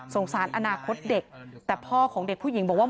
สารอนาคตเด็กแต่พ่อของเด็กผู้หญิงบอกว่า